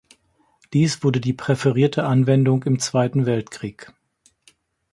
Dies wurde die präferierte Anwendung im Zweiten Weltkrieg.